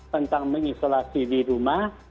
tentang mengisolasi di rumah